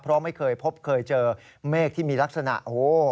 เพราะไม่เคยพบเคยเจอเมฆที่มีลักษณะโอ้โห